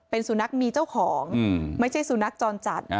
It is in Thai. เป็นสุนัขมีเจ้าของไม่ใช่สุนัขจรจัด